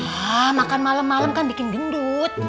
hah makan malem malem kan bikin gendut